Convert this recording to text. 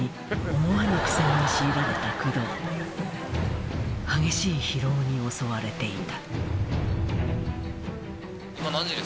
「思わぬ苦戦を強いられた工藤」「激しい疲労に襲われていた」